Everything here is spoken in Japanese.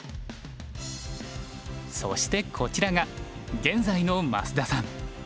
そしてこちらが現在の増田さん。